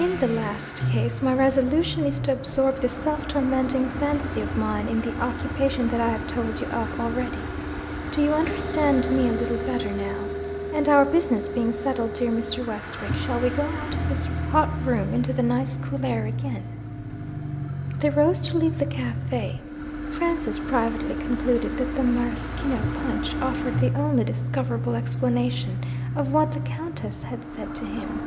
In the last case, my resolution is to absorb this self tormenting fancy of mine in the occupation that I have told you of already. Do you understand me a little better now? And, our business being settled, dear Mr. Westwick, shall we get out of this hot room into the nice cool air again?' They rose to leave the cafe. Francis privately concluded that the maraschino punch offered the only discoverable explanation of what the Countess had said to him.